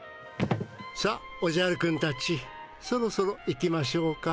さあおじゃるくんたちそろそろ行きましょうか。